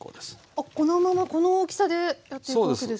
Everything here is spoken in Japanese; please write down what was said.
あっこのままこの大きさでやっていくわけですね。